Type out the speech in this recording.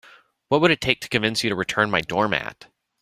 What would it take to convince you to return my doormat?